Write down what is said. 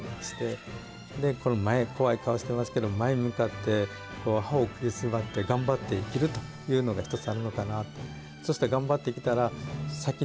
過去を背にしてこの前、怖い顔してますけど前見たって歯を食いしばって頑張って生きるというので１つあるのかなと思う。